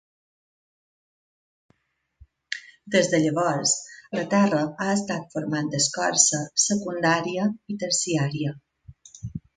Des de llavors, la Terra ha estat formant escorça secundària i terciària.